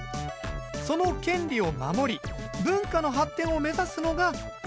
その権利を守り文化の発展を目指すのが著作権法。